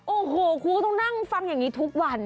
โอ้โหครูก็ต้องนั่งฟังอย่างนี้ทุกวัน